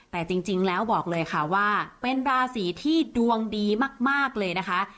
แต่จริงแล้วบอกเลยค่ะว่าเป็นราศีที่ดวงดีมากเลยนะคะ